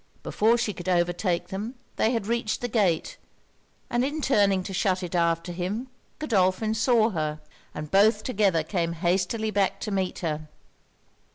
Before she could overtake them, they had reached the gate; and in turning to shut it after him, Godolphin saw her, and both together came hastily back to meet her.